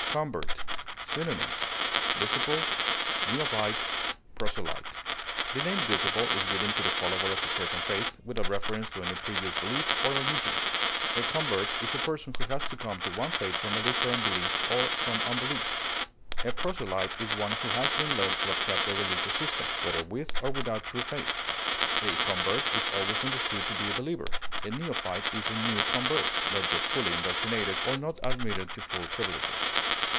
CONVERT. Synonyms: disciple, neophyte, proselyte. The name disciple is given to the follower of a certain faith, without reference to any previous belief or allegiance; a convert is a person who has come to one faith from a different belief or from unbelief. A proselyte is one who has been led to accept a religious system, whether with or without true faith; a convert is always understood to be a believer. A neophyte is a new convert, not yet fully indoctrinated, or not admitted to full privileges.